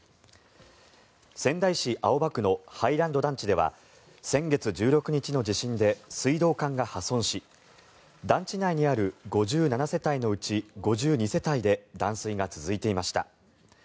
仙台市青葉区のハイランド団地では先月１６日の地震で水道管が破損し団地内にある５７世帯のうち５２世帯で断水が続いていました。